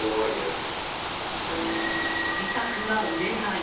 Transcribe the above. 自宅が売れない。